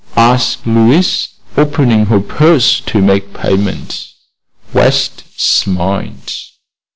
asked Louise, opening her purse to make payment. West smiled.